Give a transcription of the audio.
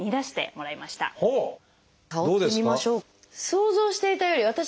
想像していたより私